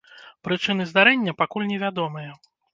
Прычыны здарэння пакуль невядомыя.